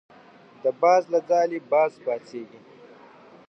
د باز له ځالې باز پاڅېږي.